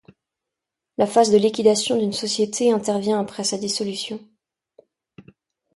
La phase de liquidation d'une société intervient après sa dissolution.